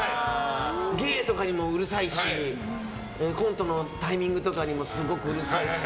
芸とかにもうるさいしコントのタイミングとかにもすごくうるさいし。